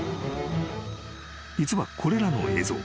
［実はこれらの映像］